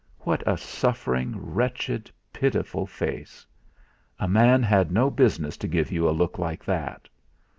What a suffering, wretched, pitiful face! A man had no business to give you a look like that!